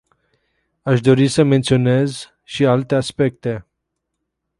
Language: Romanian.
Aș dori să menționez și alte aspecte.